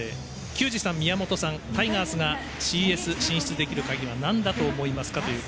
球児さん、宮本さんタイガースがＣＳ進出できるカギなんだと思いますか？と。